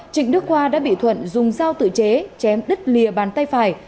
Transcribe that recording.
trịnh đức khoa đã bị thuận dùng dao tự chế chém đứt lìa bàn tay phải